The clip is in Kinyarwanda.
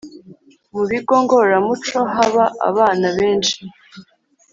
Mu bigo ngororamuco haba abana benshi.